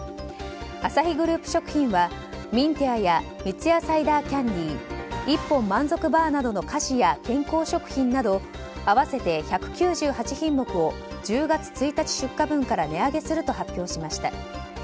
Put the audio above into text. アサヒグループ食品はミンティアや三ツ矢サイダーキャンディ１本満足バーなどの菓子や健康食品など合わせて１９８品目を１０月１日出荷分から値上げすると発表しました。